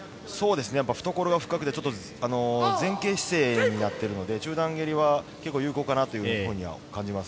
懐が深くて前傾姿勢になってるので中段蹴りは有効かなっと感じます。